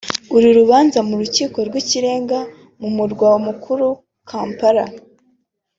uru rubanza mu Rukiko rw’Ikirenga mu murwa mukuru Kampala